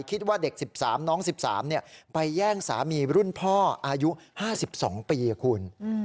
คิดว่าเด็ก๑๓น้อง๑๓ไปแย่งสามีรุ่นพ่ออายุ๕๒ปีคุณ